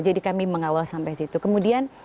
jadi kami mengawal sampai situ